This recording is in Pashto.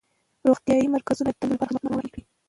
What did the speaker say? روغتیایي مرکزونه باید د میندو لپاره خدمتونه وړاندې کړي.